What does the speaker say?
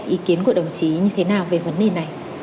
ý kiến của đồng chí như thế nào về vấn đề này